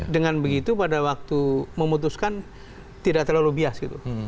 dengan begitu pada waktu memutuskan tidak terlalu bias gitu